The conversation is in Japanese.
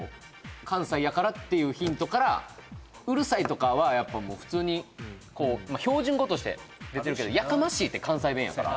関西やからっていうヒントから「うるさい」とかはやっぱもう普通にこう標準語として出てるけどやかましいって関西弁やから・